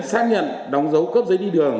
xác nhận đóng dấu cấp giấy đi đường